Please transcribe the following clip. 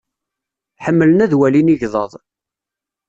Ḥemmlen ad walin igḍaḍ.